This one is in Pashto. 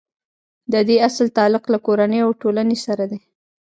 د دې اصل تعلق له کورنۍ او ټولنې سره دی.